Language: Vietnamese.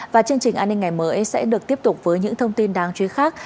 và chương trình an ninh ngày mới sẽ được tiếp tục với những thông tin đáng chú ý khác